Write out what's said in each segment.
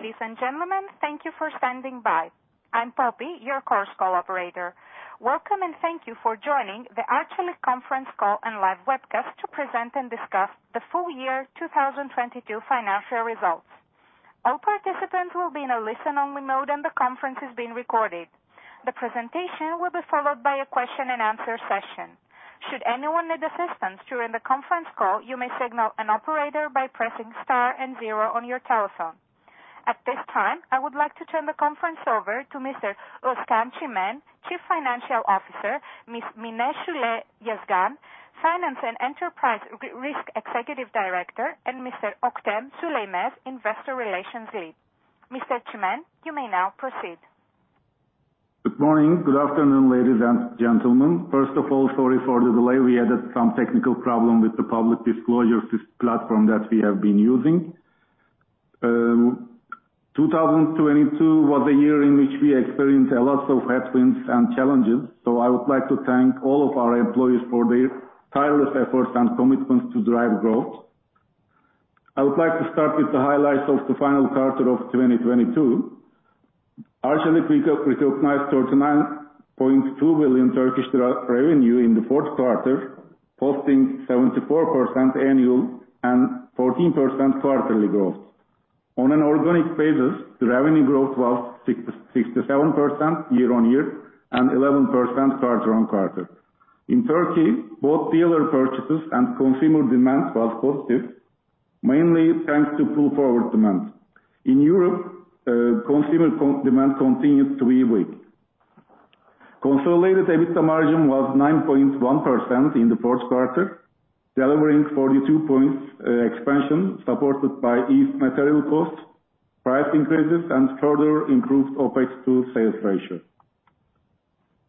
Ladies and gentlemen, thank you for standing by. I'm Poppy, your Chorus Call operator. Welcome, and thank you for joining the Arçelik conference call and live webcast to present and discuss the full year 2022 financial results. All participants will be in a listen only mode, and the conference is being recorded. The presentation will be followed by a question and answer session. Should anyone need assistance during the conference call, you may signal an operator by pressing star and zero on your telephone. At this time, I would like to turn the conference over to Mr. Özkan Çimen, Chief Financial Officer, Ms. Mine Şule Yazgan, Finance and Enterprise Risk Executive Director, and Mr. Öktem Söylemez, Investor Relations Lead. Mr. Çimen, you may now proceed. Good morning. Good afternoon, ladies and gentlemen. First of all, sorry for the delay. We had some technical problem with the public disclosure platform that we have been using. 2022 was a year in which we experienced a lot of headwinds and challenges, so I would like to thank all of our employees for their tireless efforts and commitments to drive growth. I would like to start with the highlights of the final quarter of 2022. Arçelik recognized 39.2 billion revenue in the fourth quarter, posting 74% annual and 14% quarterly growth. On an organic basis, the revenue growth was 67% year-on-year and 11% quarter-on-quarter. In Turkey, both dealer purchases and consumer demand was positive, mainly thanks to pull forward demand. In Europe, consumer demand continued to be weak. Consolidated EBITDA margin was 9.1% in the fourth quarter, delivering 42 points expansion supported by ease material costs, price increases, and further improved OpEx to sales ratio.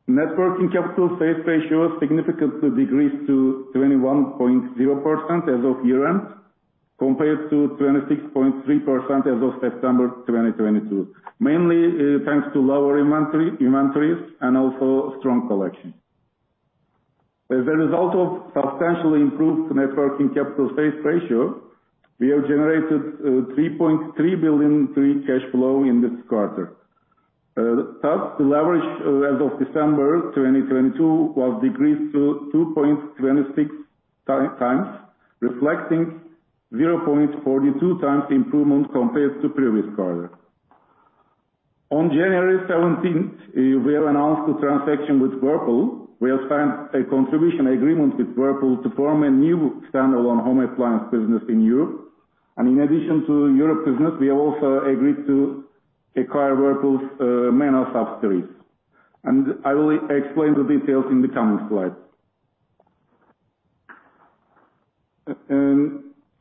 Net working capital sales ratio significantly decreased to 21.0% as of year end, compared to 26.3% as of September 2022, mainly thanks to lower inventories and also strong collection. As a result of substantially improved net working capital sales ratio, we have generated 3.3 billion free cash flow in this quarter. Thus, the leverage as of December 2022 was decreased to 2.26 times, reflecting 0.42 times improvement compared to previous quarter. On January 17th, we have announced the transaction with Whirlpool. We have signed a contribution agreement with Whirlpool to form a new standalone home appliance business in Europe. In addition to Europe business, we have also agreed to acquire Whirlpool's MENA subsidiaries. I will explain the details in the coming slide.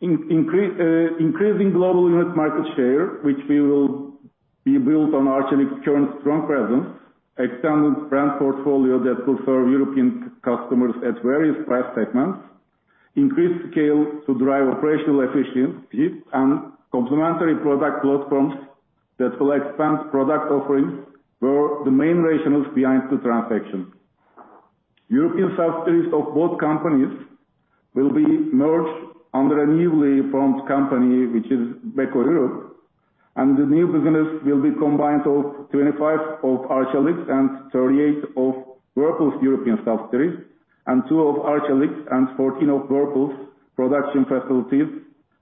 Increasing global unit market share, which we will be built on Arçelik's current strong presence, extended brand portfolio that will serve European customers at various price segments, increased scale to drive operational efficiency, and complementary product platforms that will expand product offerings were the main rationales behind the transaction. European subsidiaries of both companies will be merged under a newly formed company which is Beko Europe. The new business will be combined of 25 of Arçelik's and 38 of Whirlpool's European subsidiaries, and two of Arçelik's and 14 of Whirlpool's production facilities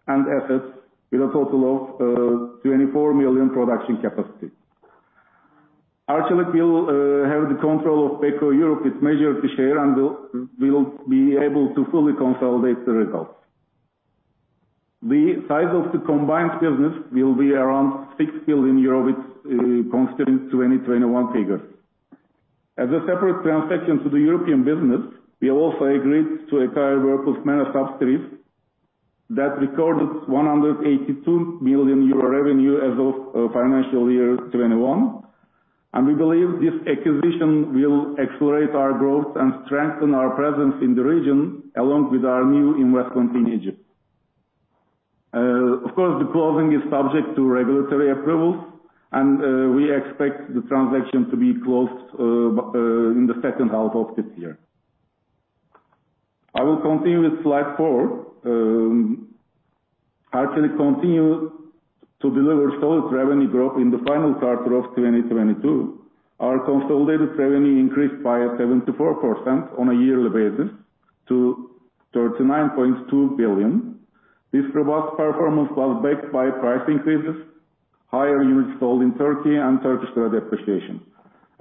and assets with a total of 24 million production capacity. Arçelik will have the control of Beko Europe with major share and will be able to fully consolidate the results. The size of the combined business will be around 6 billion euro with constant 2021 figures. As a separate transaction to the European business, we have also agreed to acquire Whirlpool's MENA subsidiaries that recorded 182 million euro revenue as of financial year 2021. We believe this acquisition will accelerate our growth and strengthen our presence in the region, along with our new investment in Egypt. Of course, the closing is subject to regulatory approvals, and we expect the transaction to be closed in the second half of this year. I will continue with slide four. Arçelik continue to deliver solid revenue growth in the final quarter of 2022. Our consolidated revenue increased by 74% on a yearly basis to 39.2 billion. This robust performance was backed by price increases, higher units sold in Turkey and Turkish lira depreciation.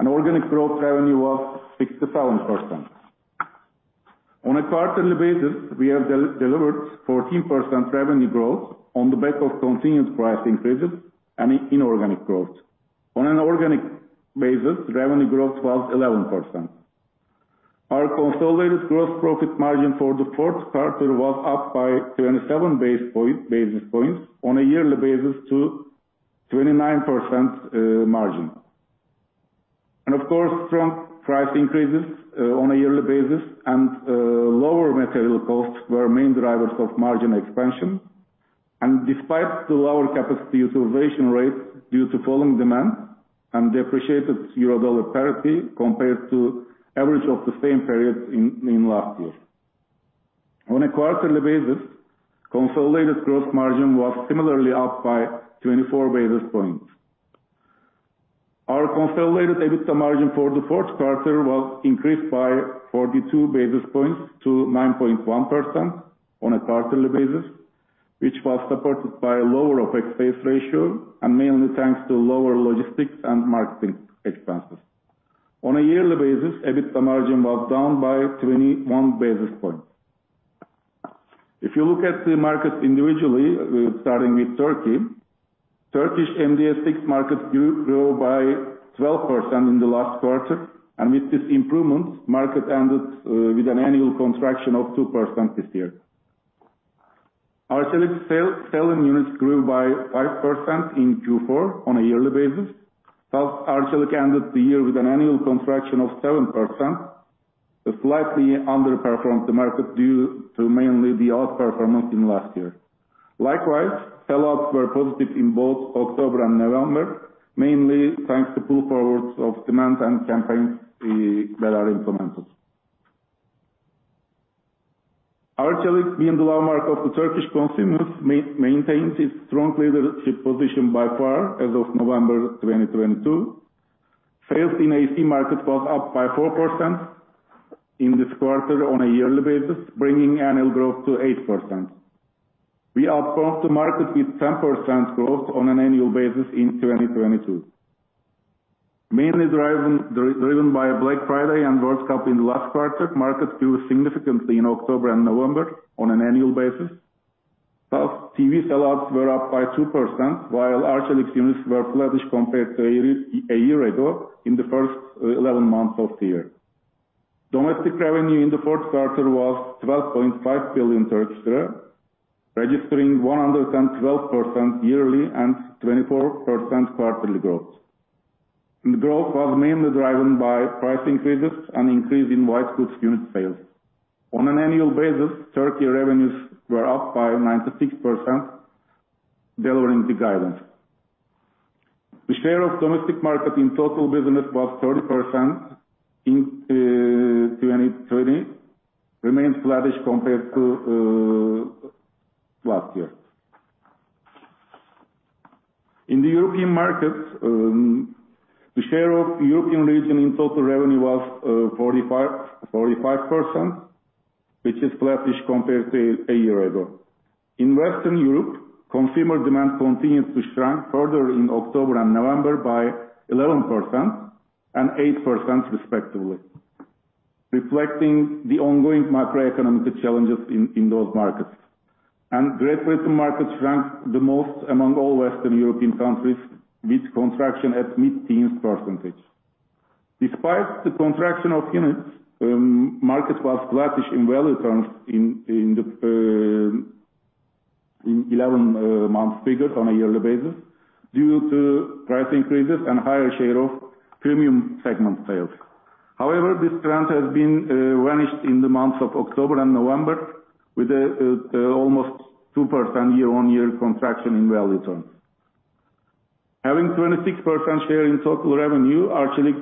Organic growth revenue was 67%. On a quarterly basis, we have delivered 14% revenue growth on the back of continued price increases and inorganic growth. On an organic basis, revenue growth was 11%. Our consolidated gross profit margin for the fourth quarter was up by 27 basis points on a yearly basis to 29% margin. Of course, strong price increases on a yearly basis and lower material costs were main drivers of margin expansion. Despite the lower capacity utilization rate due to falling demand and depreciated euro dollar parity compared to average of the same period in last year. On a quarterly basis, consolidated gross margin was similarly up by 24 basis points. Our consolidated EBITDA margin for the fourth quarter was increased by 42 basis points to 9.1% on a quarterly basis, which was supported by lower OpEx base ratio and mainly thanks to lower logistics and marketing expenses. On a yearly basis, EBITDA margin was down by 21 basis points. If you look at the markets individually, starting with Turkey. Turkish MDA 6 market grew by 12% in the last quarter, and with this improvement, market ended with an annual contraction of 2% this year. Arçelik's selling units grew by 5% in Q4 on a yearly basis. Arçelik ended the year with an annual contraction of 7%. It slightly underperformed the market due to mainly the outperformance in last year. Likewise, sellouts were positive in both October and November, mainly thanks to pull forwards of demand and campaigns that are implemented. Arçelik being the low mark of the Turkish consumers, maintains its strong leadership position by far as of November 2022. Sales in AC market was up by 4% in this quarter on a yearly basis, bringing annual growth to 8%. We outperformed the market with 10% growth on an annual basis in 2022. Mainly driven by Black Friday and World Cup in the last quarter, market grew significantly in October and November on an annual basis. TV sell-outs were up by 2%, while Arçelik units were flattish compared to a year ago in the first 11 months of the year. Domestic revenue in the fourth quarter was 12.5 billion Turkish lira, registering 112% yearly and 24% quarterly growth. Growth was mainly driven by price increases and increase in white goods unit sales. On an annual basis, Turkey revenues were up by 96%, delivering the guidance. The share of domestic market in total business was 30% in 2020, remains flattish compared to last year. In the European markets, the share of European region in total revenue was 45%, which is flattish compared to a year ago. In Western Europe, consumer demand continued to shrink further in October and November by 11% and 8% respectively, reflecting the ongoing macroeconomic challenges in those markets. Great Britain markets ranked the most among all Western European countries, with contraction at mid-teens%. Despite the contraction of units, market was flattish in value terms in the 11 months figures on a yearly basis due to price increases and higher share of premium segment sales. However, this trend has been vanished in the months of October and November with almost 2% year-on-year contraction in value terms. Having 26% share in total revenue, Arçelik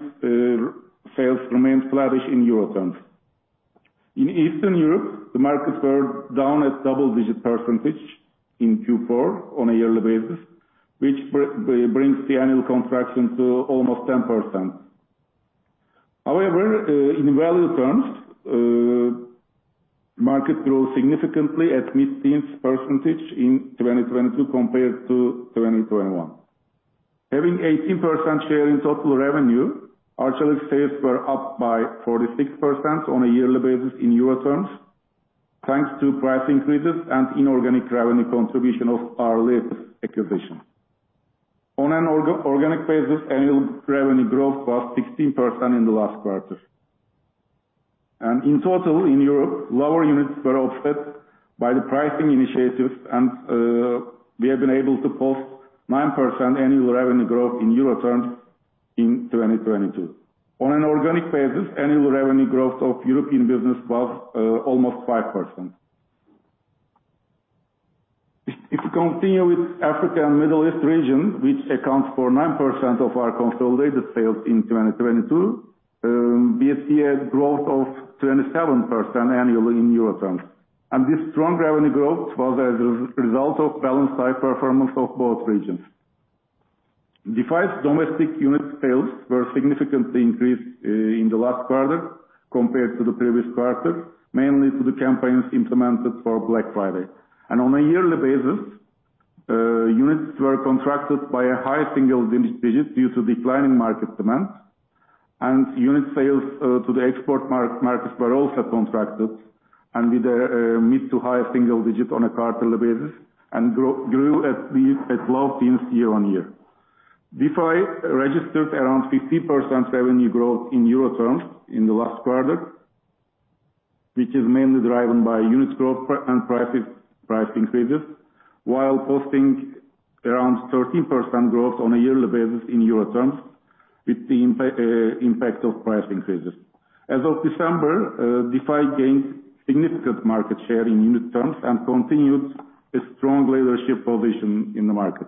sales remained flattish in euro terms. In Eastern Europe, the markets were down at double-digit% in Q4 on a yearly basis, which brings the annual contraction to almost 10%. However, in value terms, market grew significantly at mid-teens % in 2022 compared to 2021. Having 18% share in total revenue, Arçelik sales were up by 46% on a yearly basis in euro terms, thanks to price increases and inorganic revenue contribution of our latest acquisition. On an organic basis, annual revenue growth was 16% in the last quarter. In total, in Europe, lower units were offset by the pricing initiatives and we have been able to post 9% annual revenue growth in euro terms in 2022. On an organic basis, annual revenue growth of European business was almost 5%. If we continue with Africa and Middle East region, which accounts for 9% of our consolidated sales in 2022, we have seen a growth of 27% annually in euro terms. This strong revenue growth was as a result of balanced high performance of both regions. Defy’s domestic unit sales were significantly increased in the last quarter compared to the previous quarter, mainly to the campaigns implemented for Black Friday. On a yearly basis, units were contracted by a high single digit due to declining market demand. Unit sales to the export markets were also contracted and with a mid to high single digit on a quarterly basis and grew at mid at low teens year-on-year. Defy registered around 50% revenue growth in euro terms in the last quarter, which is mainly driven by units growth and prices, price increases, while posting around 13% growth on a yearly basis in euro terms with the impact of price increases. As of December, Defy gained significant market share in unit terms and continued a strong leadership position in the market.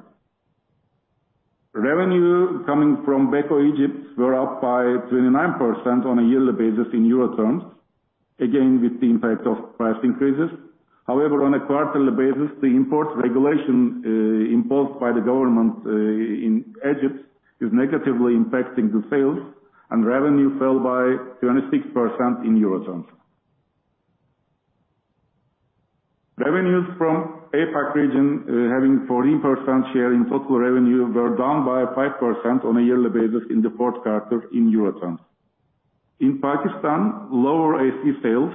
Revenue coming from Beko Egypt were up by 29% on a yearly basis in euro terms, again, with the impact of price increases. However, on a quarterly basis, the import regulation imposed by the government in Egypt is negatively impacting the sales, and revenue fell by 26% in euro terms. Revenues from APAC region, having 14% share in total revenue, were down by 5% on a yearly basis in the fourth quarter in euro terms. In Pakistan, lower AC sales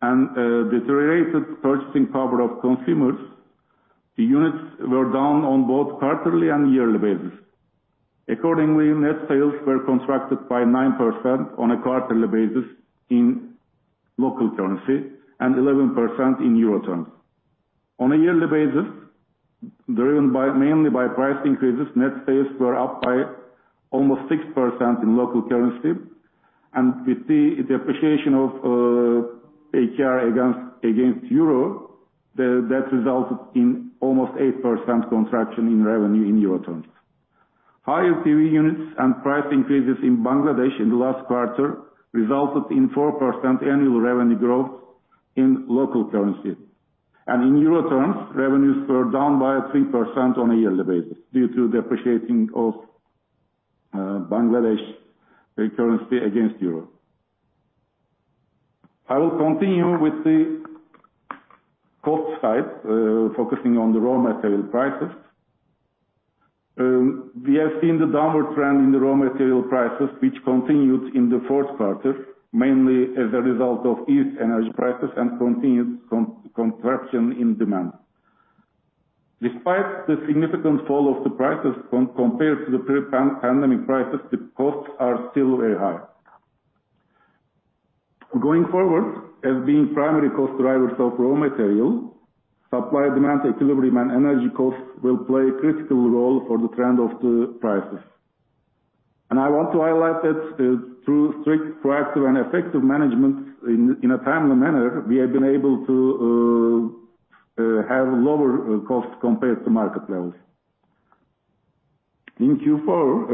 and deteriorated purchasing power of consumers, the units were down on both quarterly and yearly basis. Net sales were contracted by 9% on a quarterly basis in local currency and 11% in euro terms. On a yearly basis, driven mainly by price increases, net sales were up by almost 6% in local currency. With the depreciation of PKR against euro, that resulted in almost 8% contraction in revenue in euro terms. Higher TV units and price increases in Bangladesh in the last quarter resulted in 4% annual revenue growth in local currency. In euro terms, revenues were down by 3% on a yearly basis due to the appreciating of Bangladesh currency against euro. I will continue with the cost side, focusing on the raw material prices. We have seen the downward trend in the raw material prices which continued in the fourth quarter, mainly as a result of ease energy prices and continued contraction in demand. Despite the significant fall of the prices compared to the pre-pandemic prices, the costs are still very high. Going forward, as being primary cost drivers of raw material, supply-demand equilibrium and energy costs will play a critical role for the trend of the prices. I want to highlight that, through strict proactive and effective management in a timely manner, we have been able to have lower costs compared to market levels. In Q4,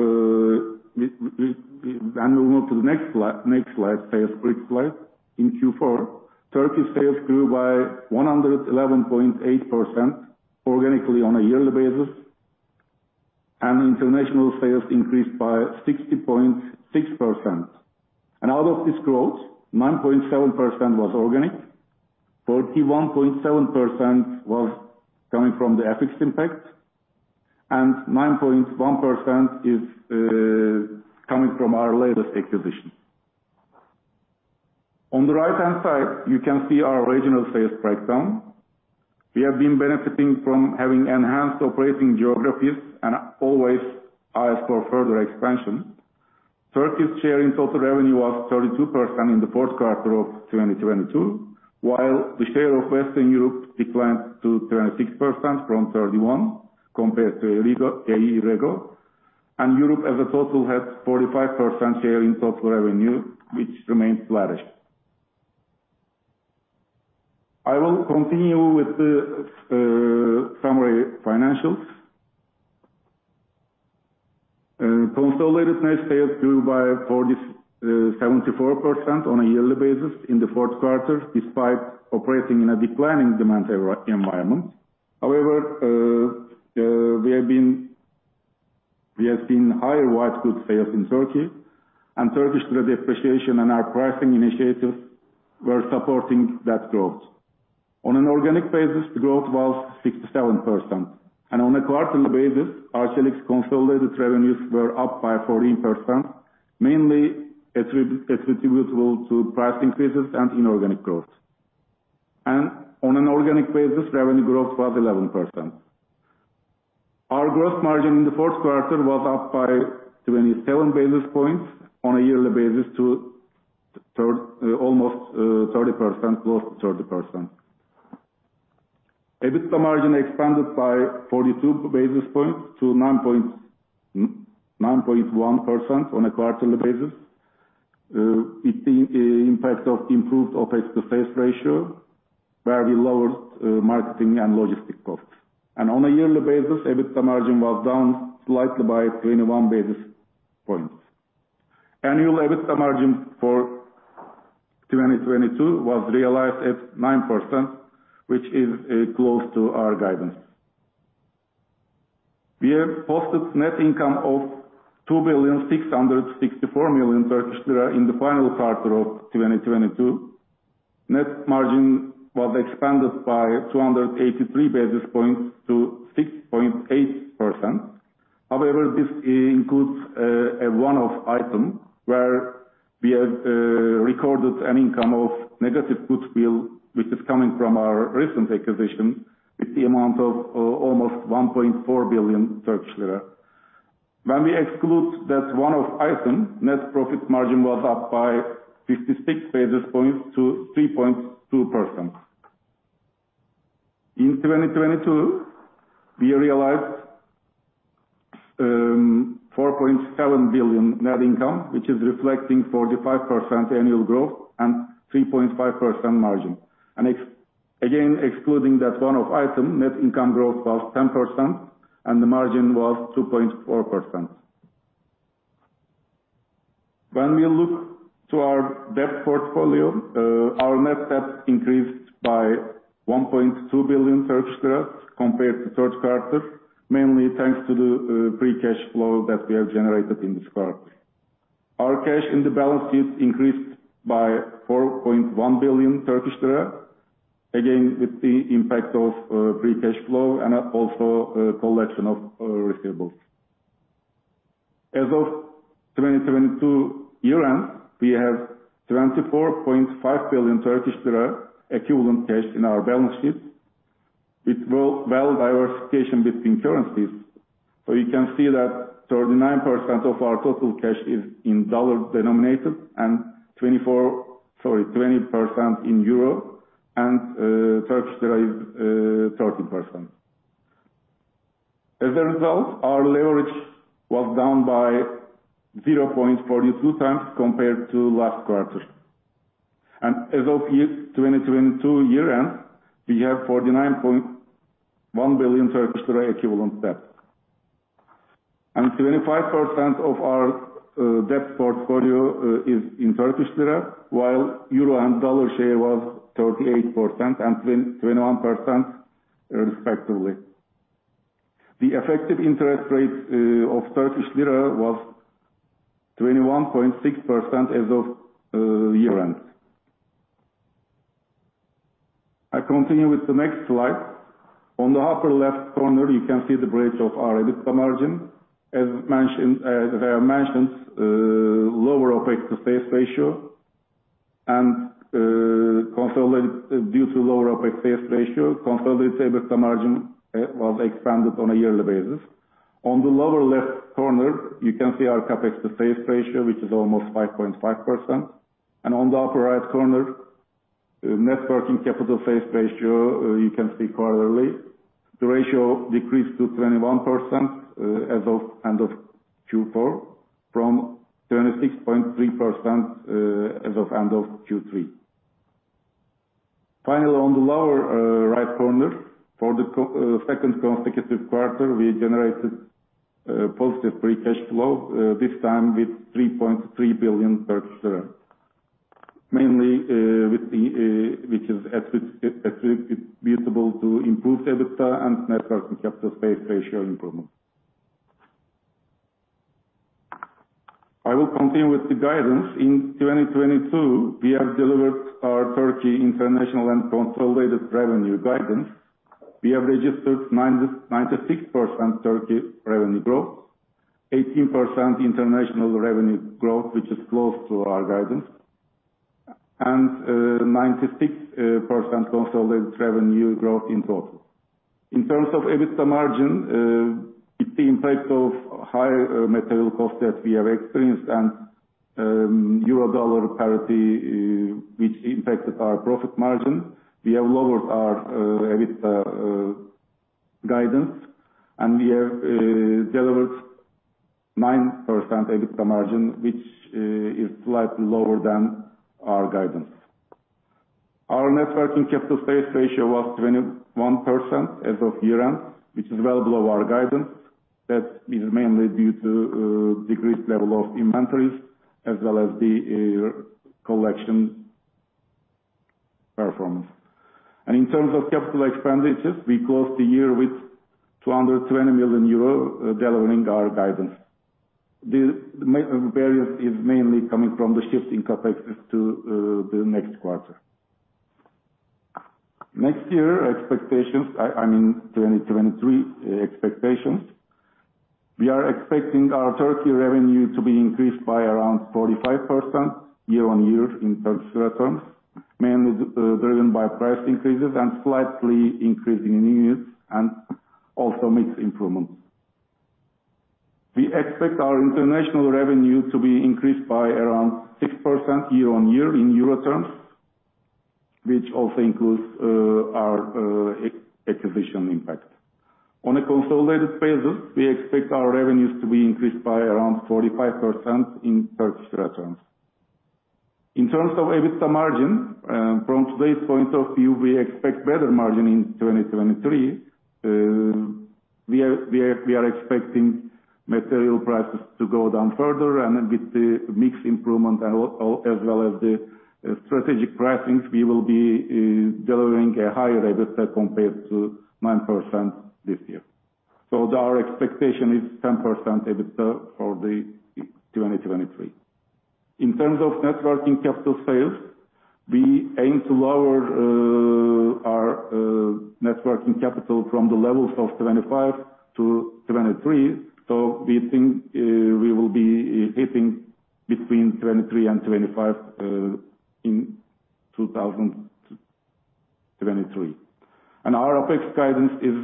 and we'll move to the next slide, sales brief slide. In Q4, Turkey sales grew by 111.8% organically on a yearly basis, international sales increased by 60.6%. Out of this growth, 9.7% was organic, 41.7% was coming from the FX impact, and 9.1% is coming from our latest acquisition. On the right-hand side, you can see our regional sales breakdown. We have been benefiting from having enhanced operating geographies and are always eyes for further expansion. Turkey's share in total revenue was 32% in the fourth quarter of 2022, while the share of Western Europe declined to 26% from 31% compared to a legal. Europe as a total had 45% share in total revenue, which remains largest. I will continue with the summary financials. Consolidated net sales grew by 40, 74% on a yearly basis in the fourth quarter, despite operating in a declining demand environment. However, we have seen higher white goods sales in Turkey. Turkish lira depreciation and our pricing initiatives were supporting that growth. On an an organic basis, the growth was 67%. On a quarterly basis, Arçelik's consolidated revenues were up by 14%, mainly attributable to price increases and inorganic growth. On an organic basis, revenue growth was 11%. Our gross margin in the fourth quarter was up by 27 basis points on a yearly basis to almost 30%, close to 30%. EBITDA margin expanded by 42 basis points to 9.1% on a quarterly basis. With the impact of improved OpEx to sales ratio, where we lowered marketing and logistics costs. On a yearly basis, EBITDA margin was down slightly by 21 basis points. Annual EBITDA margin for 2022 was realized at 9%, which is close to our guidance. We have posted net income of 2.664 billion Turkish lira in the final quarter of 2022. Net margin was expanded by 283 basis points to 6.8%. This includes a one-off item where we have recorded an income of negative goodwill, which is coming from our recent acquisition with the amount of almost 1.4 billion Turkish lira. When we exclude that one-off item, net profit margin was up by 56 basis points to 3.2%. In 2022, we realized 4.7 billion net income, which is reflecting 45% annual growth and 3.5% margin. Excluding that one-off item, net income growth was 10%, and the margin was 2.4%. When we look to our debt portfolio, our net debt increased by TRY 1.2 billion compared to third quarter, mainly thanks to the free cash flow that we have generated in this quarter. Our cash in the balance sheet increased by 4.1 billion Turkish lira, again, with the impact of free cash flow and also collection of receivables. As of 2022 year-end, we have 24.5 billion Turkish lira equivalent cash in our balance sheet with well diversification between currencies. You can see that 39% of our total cash is in dollar denominated and 20% in euro and TRY is 30%. As a result, our leverage was down by 0.42 times compared to last quarter. As of year 2022 year-end, we have 49.1 billion Turkish lira equivalent debt. Twenty-five percent of our debt portfolio is in Turkish lira, while uero and dollar share was 38% and 21% respectively. The effective interest rate of Turkish lira was 21.6% as of year-end. I continue with the next slide. On the upper left corner, you can see the bridge of our EBITDA margin. As I have mentioned, lower OpEx to sales ratio and due to lower OpEx sales ratio, consolidated EBITDA margin was expanded on a yearly basis. On the lower left corner, you can see our CapEx to sales ratio, which is almost 5.5%. On the upper right corner, net working capital sales ratio, you can see quarterly. The ratio decreased to 21% as of end of Q4 from 26.3% as of end of Q3. Final on the lower right corner, for the second consecutive quarter, we generated positive free cash flow, this time with 3.3 billion. Mainly, with the, which is attributable to improved EBITDA and net working capital sales ratio improvement. I will continue with the guidance. In 2022, we have delivered our Turkey international and consolidated revenue guidance. We have registered 96% Turkey revenue growth, 18% international revenue growth, which is close to our guidance, and 96% consolidated revenue growth in total. In terms of EBITDA margin, with the impact of higher material costs that we have experienced and euro dollar parity, which impacted our profit margin, we have lowered our EBITDA guidance, and we have delivered 9% EBITDA margin, which is slightly lower than our guidance. Our net working capital sales ratio was 21% as of year-end, which is well below our guidance. That is mainly due to decreased level of inventories as well as the collection performance. In terms of capital expenditures, we closed the year with 220 million euro delivering our guidance. The barrier is mainly coming from the shift in CapEx to the next quarter. Next year expectations, I mean 2023 expectations. We are expecting our Turkey revenue to be increased by around 45% year-on-year in Turkish lira terms, mainly driven by price increases and slightly increase in units and also mix improvements. We expect our international revenue to be increased by around 6% year-on-year in euro terms, which also includes our acquisition impact. On a consolidated basis, we expect our revenues to be increased by around 45% in Turkish lira terms. In terms of EBITDA margin, from today's point of view, we expect better margin in 2023. We are expecting material prices to go down further and with the mix improvement as well as the strategic pricings, we will be delivering a higher EBITDA compared to 9% this year. Our expectation is 10% EBITDA for 2023. In terms of net working capital sales, we aim to lower our net working capital from the levels of 25%-23%. We think we will be hitting between 23% and 25% in 2023. Our OpEx guidance is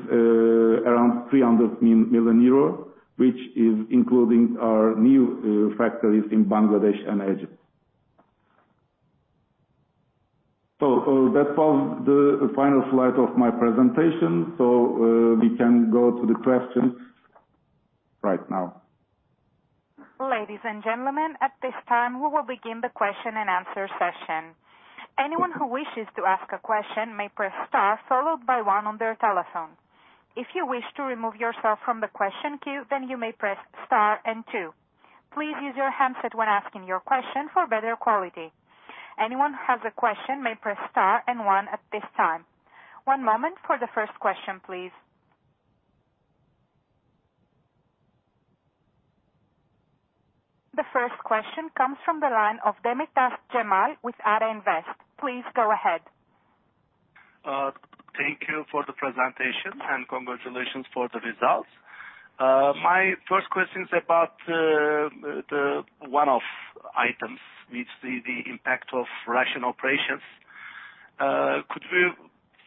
around 300 million euro, which is including our new factories in Bangladesh and Egypt. That was the final slide of my presentation, we can go to the questions right now. Ladies and gentlemen, at this time, we will begin the question and answer session. Anyone who wishes to ask a question may press star followed by one on their telephone. If you wish to remove yourself from the question queue, you may press star and two. Please use your handset when asking your question for better quality. Anyone who has a question may press star and one at this time. One moment for the first question, please. The first question comes from the line of Cemal Demirtaş with Ata Invest. Please go ahead. Thank you for the presentation, and congratulations for the results. My first question is about the one-off items, which the impact of Russian operations. Could we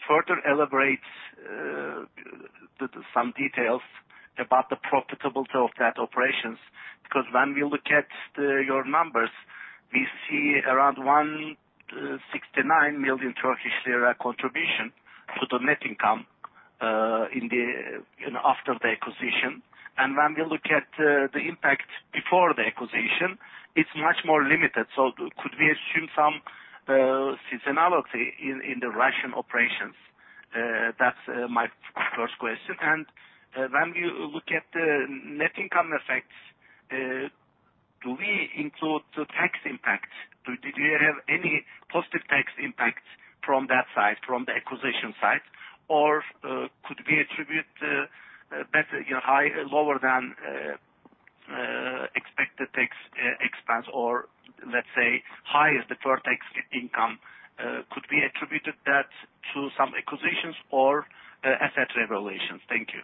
further elaborate some details about the profitability of that operations? Because when we look at your numbers, we see around 69 million Turkish lira contribution to the net income, in the, you know, after the acquisition. When we look at the impact before the acquisition, it's much more limited. Could we assume some seasonality in the Russian operations? That's my first question. When you look at the net income effects, do we include the tax impact? Do you have any positive tax impact from that side, from the acquisition side? Could we attribute, better, you know, lower than expected tax expense or let's say higher the tax income, could be attributed that to some acquisitions or asset revelations? Thank you.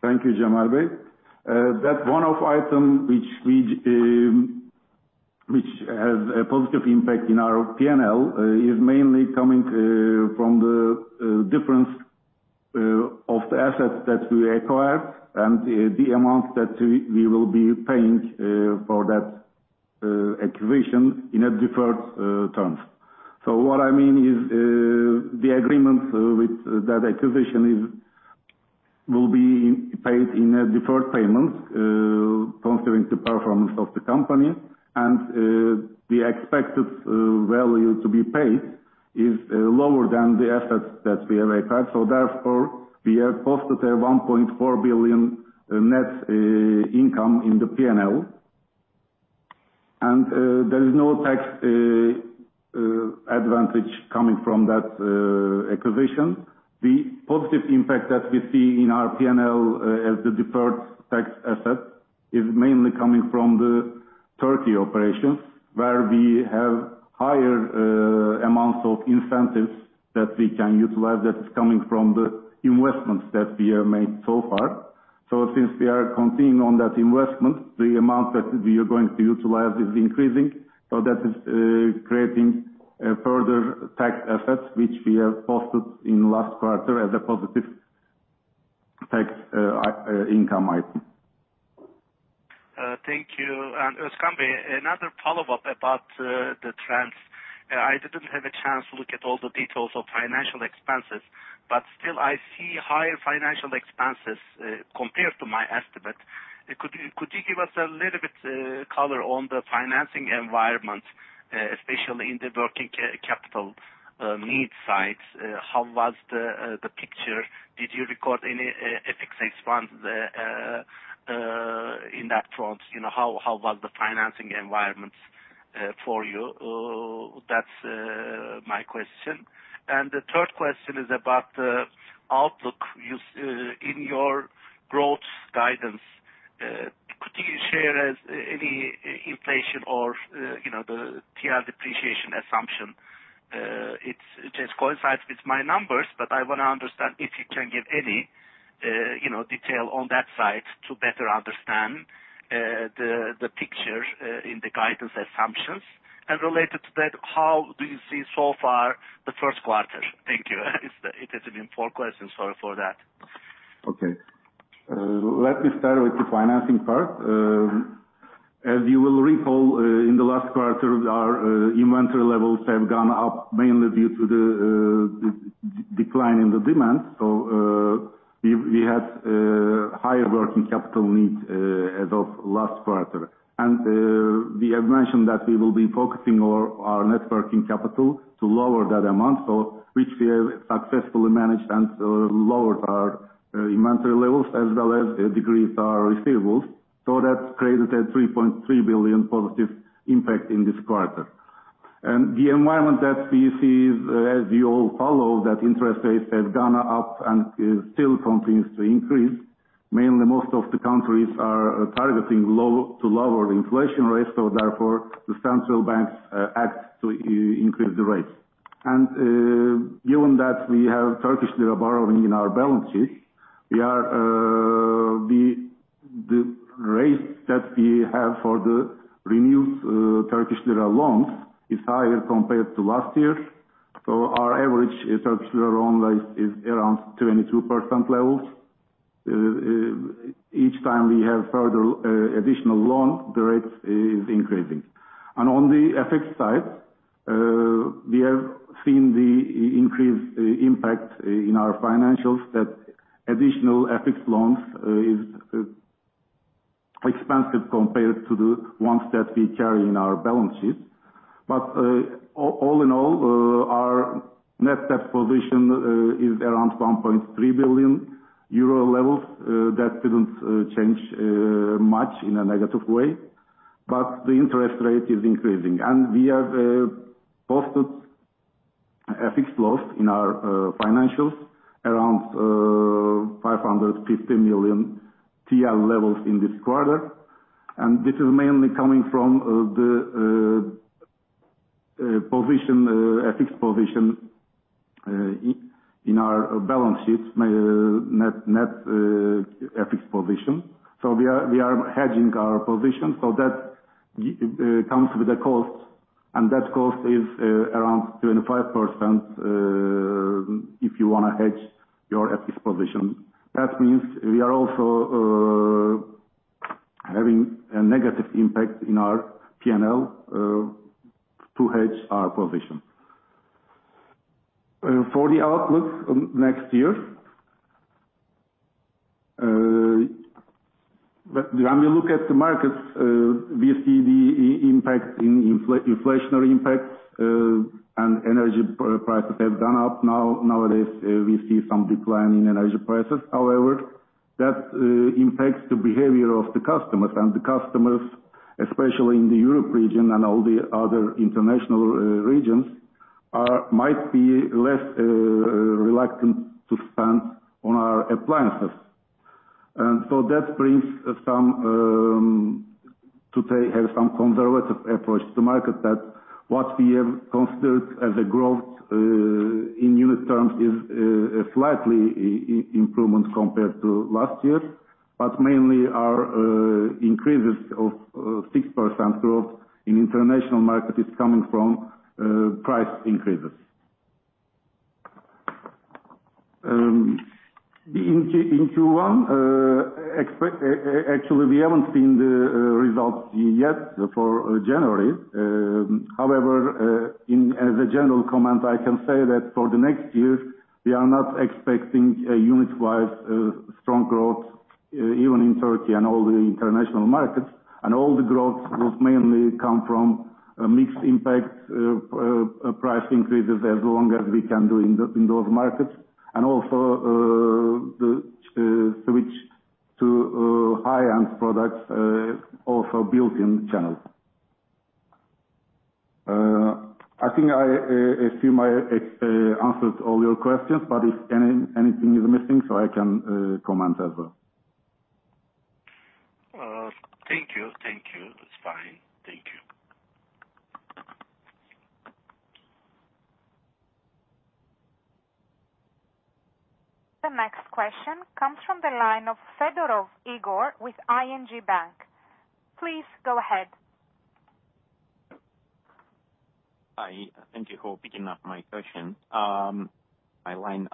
Thank you, Cemal Bey. That one-off item which we, which has a positive impact in our P&L, is mainly coming from the difference of the assets that we acquired and the amount that we will be paying for that acquisition in a deferred term. What I mean is, the agreement with that acquisition will be paid in deferred payments considering the performance of the company. The expected value to be paid is lower than the assets that we have acquired. Therefore, we have posted a 1.4 billion net income in the P&L. There is no tax advantage coming from that acquisition. The positive impact that we see in our P&L, as the deferred tax asset is mainly coming from the Turkey operations, where we have higher amounts of incentives that we can utilize that is coming from the investments that we have made so far. Since we are continuing on that investment, the amount that we are going to utilize is increasing. That is, creating a further tax asset which we have posted in last quarter as a positive tax, income item. Thank you. Özkan Bey, another follow-up about the trends. I didn't have a chance to look at all the details of financial expenses, but still I see higher financial expenses compared to my estimate. Could you give us a little bit color on the financing environment, especially in the working capital needs side? How was the picture? Did you record any FX funds in that front? You know, how was the financing environment for you? That's my question. The third question is about the outlook use in your growth guidance. Could you share as any inflation or, you know, the TRY depreciation assumption? It just coincides with my numbers, but I wanna understand if you can give any, you know, detail on that side to better understand the picture in the guidance assumptions. Related to that, how do you see so far the first quarter? Thank you. It has been four questions, sorry for that. Okay. Let me start with the financing part. As you will recall, in the last quarter, our inventory levels have gone up mainly due to the decline in the demand. We had higher working capital needs as of last quarter. We have mentioned that we will be focusing on our net working capital to lower that amount, so which we have successfully managed and lowered our inventory levels as well as decreased our receivables. That's created a 3.3 billion positive impact in this quarter. The environment that we see as you all follow that interest rates have gone up and still continues to increase. Mainly most of the countries are targeting low to lower inflation rates, so therefore the central banks act to increase the rates. Given that we have Turkish lira borrowing in our balances, we are the rates that we have for the renewed Turkish lira loans is higher compared to last year. Our average Turkish lira loan life is around 22% levels. Each time we have further additional loan, the rate is increasing. On the FX side, we have seen the increased impact in our financials that additional FX loans is expensive compared to the ones that we carry in our balance sheet. All in all, our net debt position is around 1.3 billion euro levels. That didn't change much in a negative way, but the interest rate is increasing. We have posted FX loss in our financials around 550 million TL levels in this quarter. This is mainly coming from the position, FX position in our balance sheets, net FX position. We are hedging our position so that comes with a cost. That cost is around 25% if you wanna hedge your FX position. That means we are also having a negative impact in our PNL to hedge our position. For the outlook of next year, when we look at the markets, we see the impact in inflationary impact, and energy prices have gone up now. Nowadays, we see some decline in energy prices. However, that impacts the behavior of the customers. The customers, especially in the Europe region and all the other international regions, might be less reluctant to spend on our appliances. That brings some to say, have some conservative approach to market that what we have considered as a growth in unit terms is a slightly improvements compared to last year. Mainly our increases of 6% growth in international market is coming from price increases. In Q1, actually, we haven't seen the results yet for January. However, in, as a general comment, I can say that for the next year we are not expecting a unit-wise strong growth, even in Turkey and all the international markets. All the growth will mainly come from a mixed impact, price increases as long as we can do in those markets. Also, the switch to high-end products, also built-in channels. I think I assume I answered all your questions. If anything is missing, I can comment as well. Thank you. Thank you. It's fine. Thank you. The next question comes from the line of Egor Fedorov with ING Bank. Please go ahead. Hi, thank you for picking up my question, my line.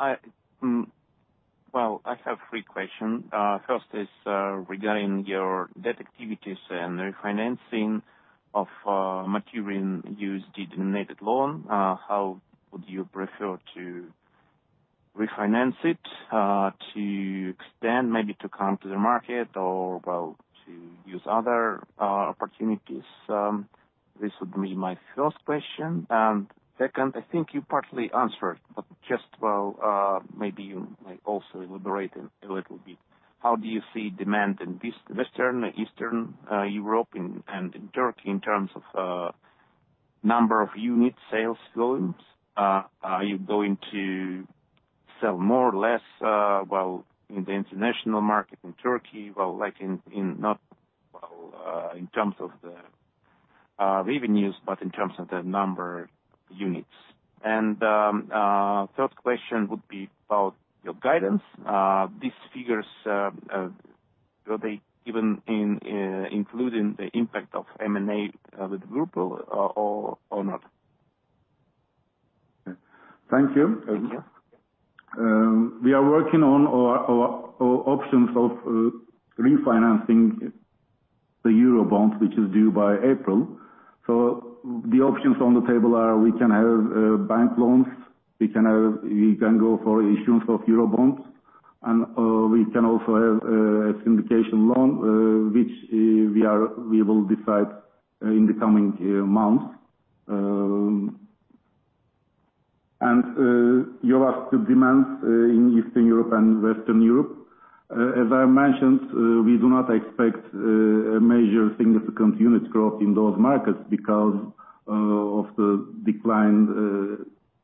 I, well, I have three question. First is regarding your debt activities and refinancing of maturing USD-denominated loan. How would you prefer to refinance it? To extend, maybe to come to the market or, well, to use other opportunities? This would be my first question. Second, I think you partly answered, but just, well, maybe you might also elaborate a little bit. How do you see demand in Western, Eastern Europe and in Turkey in terms of number of unit sales volumes? Are you going to sell more or less, well, in the international market in Turkey, well, like in not, well, in terms of the revenues, but in terms of the number units? Third question would be about your guidance. These figures, will they even in, including the impact of M&A with Beko or not? Thank you. Thank you. We are working on our options of refinancing the Eurobond, which is due by April. The options on the table are we can have bank loans, we can go for issuance of EUR bonds, we can also have a syndication loan, which we will decide in the coming months. You asked the demands in Eastern Europe and Western Europe. As I mentioned, we do not expect a major significant unit growth in those markets because of the decline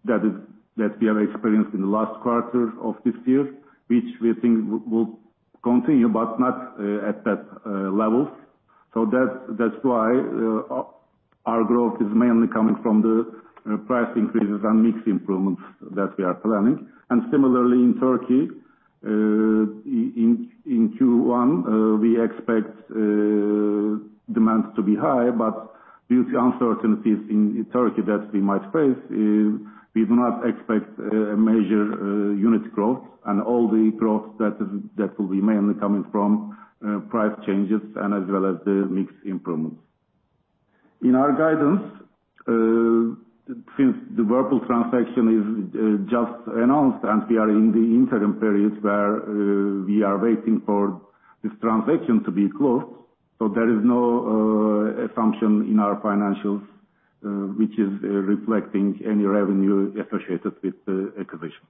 that is, that we have experienced in the last quarter of this year. Which we think will continue, but not at that levels. That's why our growth is mainly coming from the price increases and mix improvements that we are planning. Similarly in Turkey, in Q1, we expect demand to be high. Due to uncertainties in Turkey that we might face, we do not expect major unit growth and all the growth that will be mainly coming from price changes and as well as the mixed improvements. In our guidance, since the Whirlpool transaction is just announced and we are in the interim periods where we are waiting for this transaction to be closed, there is no assumption in our financials which is reflecting any revenue associated with the acquisition.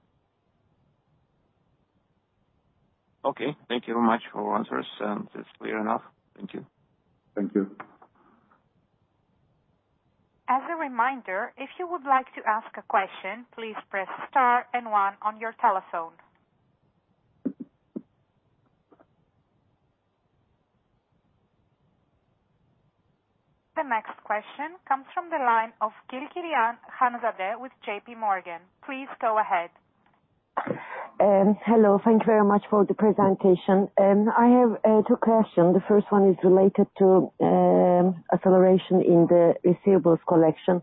Okay, thank you very much for answers. It's clear enough. Thank you. Thank you. As a reminder, if you would like to ask a question, please press star and one on your telephone. The next question comes from the line of Harkiran Sira with JP Morgan. Please go ahead. Hello, thank you very much for the presentation. I have two questions. The first one is related to acceleration in the receivables collection.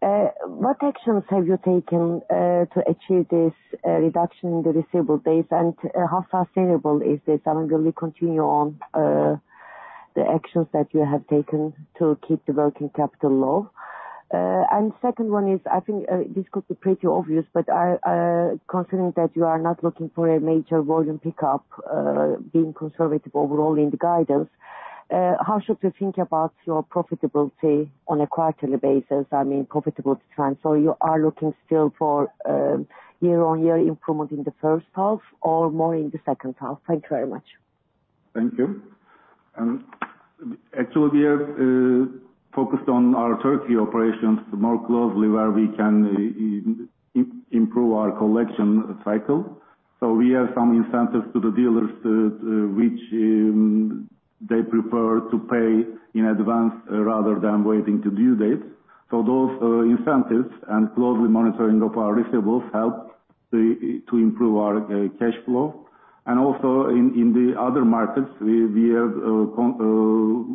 What actions have you taken to achieve this reduction in the receivable base? How sustainable is this, and will you continue on the actions that you have taken to keep the working capital low? Second one is, I think, this could be pretty obvious, but I, considering that you are not looking for a major volume pickup, being conservative overall in the guidance, how should we think about your profitability on a quarterly basis? I mean, profitable trend. You are looking still for year-on-year improvement in the first half or more in the second half? Thank you very much. Thank you. Actually we are focused on our Turkey operations more closely, where we can improve our collection cycle. We have some incentives to the dealers to which they prefer to pay in advance rather than waiting to due date. Those incentives and closely monitoring of our receivables help to improve our cash flow. Also in the other markets, we have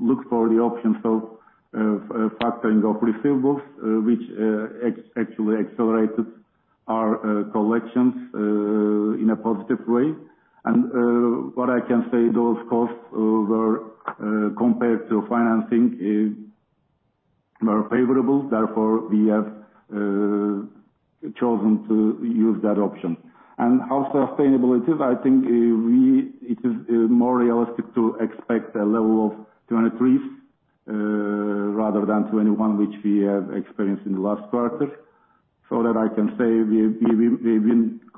look for the options of factoring of receivables, which actually accelerated our collections in a positive way. What I can say, those costs were compared to financing is were favorable, therefore we have chosen to use that option. How sustainable it is, I think, it is more realistic to expect a level of 23s, rather than 21, which we have experienced in the last quarter. That I can say,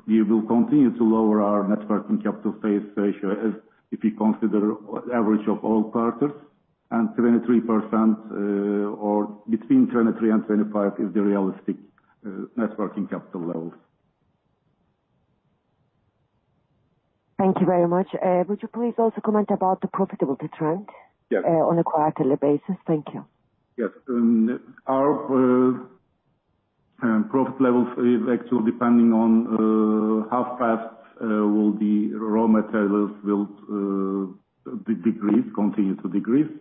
we will continue to lower our net working capital base ratio as if we consider average of all quarters. 23%, or between 23 and 25 is the realistic, net working capital levels. Thank you very much. Would you please also comment about the profitability trend- Yes. on a quarterly basis? Thank you. Yes. Our profit levels is actually depending on how fast will the raw materials will decrease, continue to decrease,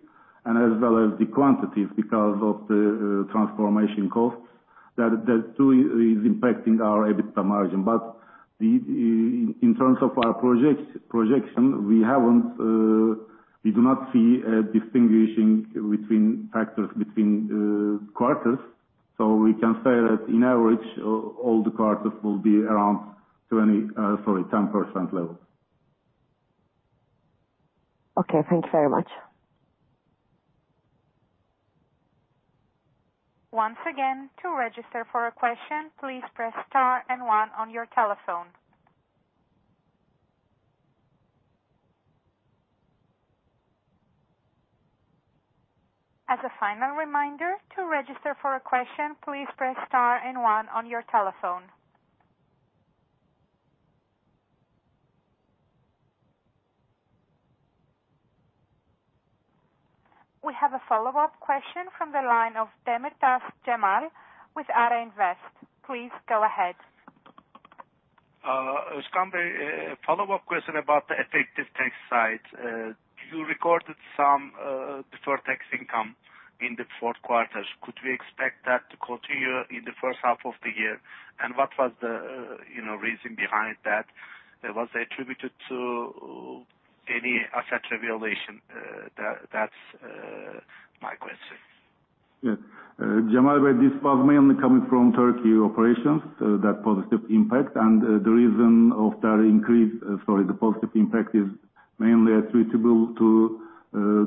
and as well as the quantities because of the transformation costs that too is impacting our EBITDA margin. In terms of our projection, we haven't, we do not see a distinguishing between factors between quarters. We can say that in average, all the quarters will be around 20, sorry, 10% level. Okay. Thank you very much. Once again, to register for a question, please press star and one on your telephone. As a final reminder, to register for a question, please press star and one on your telephone. We have a follow-up question from the line of Cemal Demirtaş with Ata Invest. Please go ahead. Özkan, a follow-up question about the effective tax side. You recorded some deferred tax income in the fourth quarters. Could we expect that to continue in the first half of the year? What was the, you know, reason behind that? It was attributed to any asset revelation? That's my question. Yeah. Cemal, this was mainly coming from Turkey operations, that positive impact. The reason of that increase, sorry, the positive impact is mainly attributable to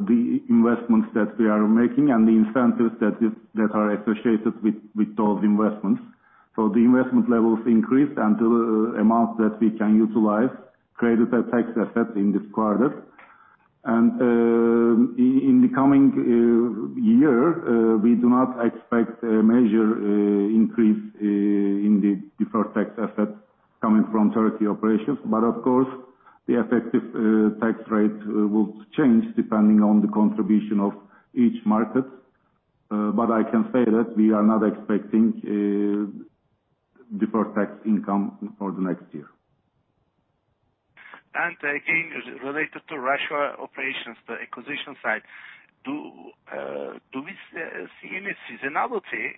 the investments that we are making and the incentives that are associated with those investments. The investment levels increased, and the amount that we can utilize created a tax asset in this quarter. In the coming year, we do not expect a major increase in the deferred tax asset coming from Turkey operations. Of course, the effective tax rate will change depending on the contribution of each market. I can say that we are not expecting deferred tax income for the next year. Again, related to Russia operations, the acquisition side, do we see any seasonality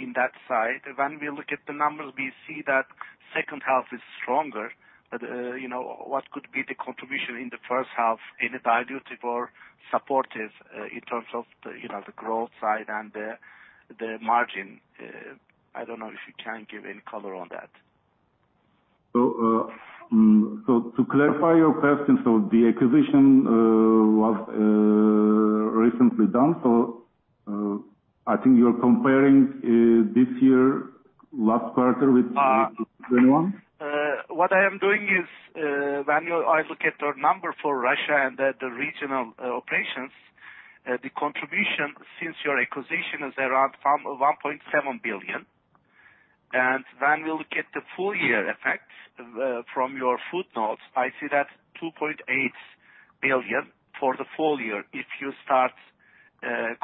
in that side? When we look at the numbers, we see that second half is stronger. You know, what could be the contribution in the first half in a dilutive or supportive, in terms of the, you know, the growth side and the margin? I don't know if you can give any color on that. To clarify your question. The acquisition was recently done, I think you're comparing this year last quarter with. Uh- 2021? What I am doing is, when I look at your number for Russia and the regional operations, the contribution since your acquisition is around from 1.7 billion. When we look at the full year effect, from your footnotes, I see that 2.8 billion for the full year if you start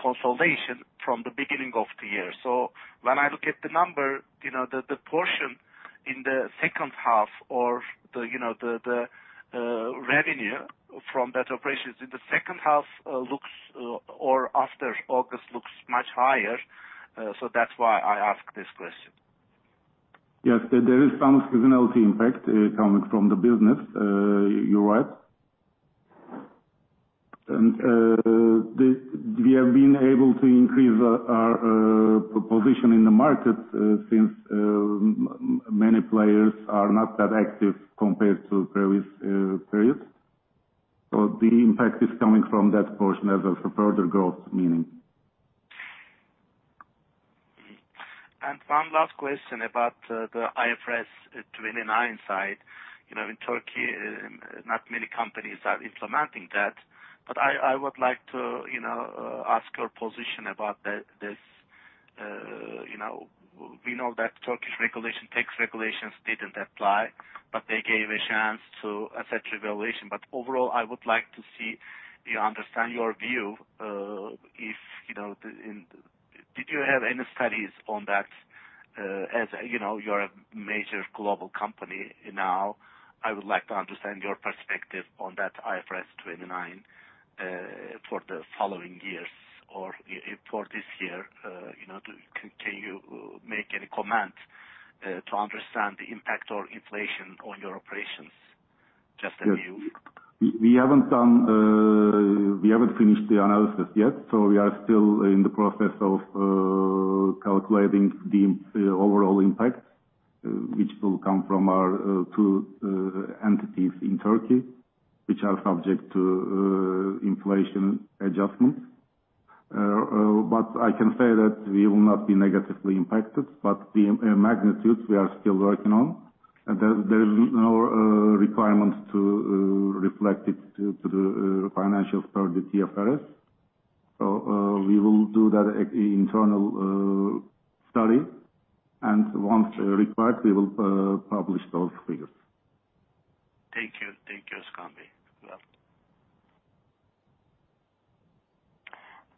consolidation from the beginning of the year. When I look at the number, you know, the portion in the second half or the, you know, the revenue from that operations in the second half, looks or after August looks much higher. That's why I ask this question? Yes. There is some seasonality impact coming from the business. You're right. We have been able to increase our position in the market since many players are not that active compared to previous periods. The impact is coming from that portion as a further growth meaning. One last question about the IAS 29 side. You know, in Turkey, not many companies are implementing that. I would like to, you know, ask your position about the, this, you know, we know that Turkish regulation, tax regulations didn't apply, but they gave a chance to asset revelation. Overall, I would like to see, you know, understand your view, if you know, the, in... Did you have any studies on that, as, you know, you're a major global company now. I would like to understand your perspective on that IAS 29 for the following years or if for this year, you know, can you make any comment to understand the impact or inflation on your operations? Just a view. Yes. We haven't done, we haven't finished the analysis yet. We are still in the process of calculating the overall impact, which will come from our two entities in Turkey, which are subject to inflation adjustments. I can say that we will not be negatively impacted. The magnitude we are still working on. There is no requirement to reflect it to the financial target, TFRS. We will do that internal study, and once required, we will publish those figures. Thank you. Thank you, Özkan. You're welcome.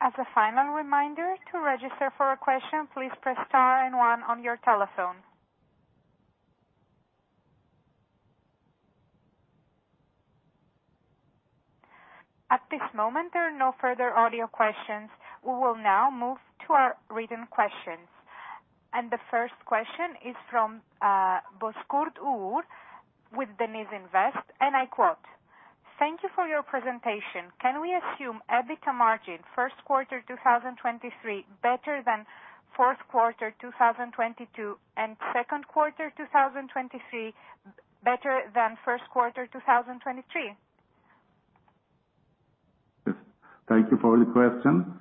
As a final reminder, to register for a question, please press star one on your telephone. At this moment, there are no further audio questions. We will now move to our written questions. The first question is from Can Memiş with Deniz Invest, and I quote, "Thank you for your presentation. Can we assume EBITDA margin first quarter 2023 better than fourth quarter 2022, and second quarter 2023 better than first quarter 2023? Yes. Thank you for the question.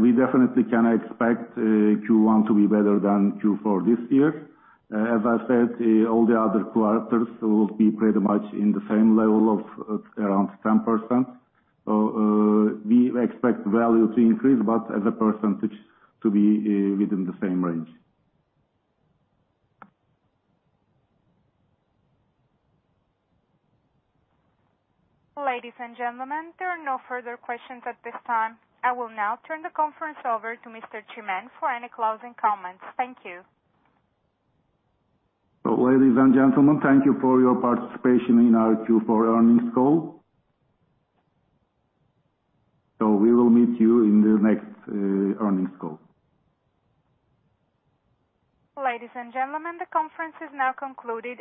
We definitely can expect Q1 to be better than Q4 this year. As I said, all the other quarters will be pretty much in the same level of around 10%. We expect value to increase, but as a percentage to be within the same range. Ladies and gentlemen, there are no further questions at this time. I will now turn the conference over to Mr. Çimen for any closing comments. Thank you. Ladies and gentlemen, thank you for your participation in our Q4 earnings call. We will meet you in the next earnings call. Ladies and gentlemen, the conference is now concluded.